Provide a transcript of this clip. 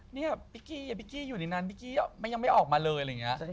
เนี่ยพิกกี้พิกกี้อยู่ในนั้นพี่กี้ยังไม่ออกมาเลยอะไรอย่างนี้